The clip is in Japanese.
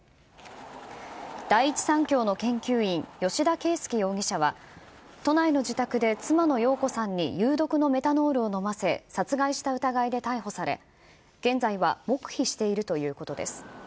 第一三共の研究員、吉田佳右容疑者は、都内の自宅で妻の容子さんに有毒のメタノールを飲ませ、殺害した疑いで逮捕され、現在は黙秘しているということです。